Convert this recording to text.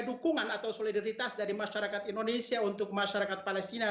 dukungan atau solidaritas dari masyarakat indonesia untuk masyarakat palestina